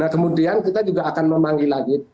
kemudian kita juga akan memanggil lagi